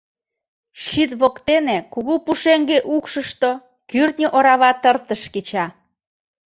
Щит воктене кугу пушеҥге укшышто кӱртньӧ орава-тыртыш кеча.